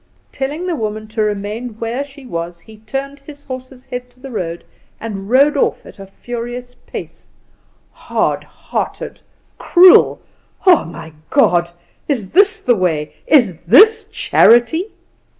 Telling the woman to remain where she was, he turned his horse's head to the road and rode off at a furious pace. "Hard hearted! cruel! Oh, my God! Is this the way? Is this charity?"